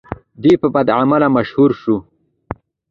دی په بدعمله مشهور شو.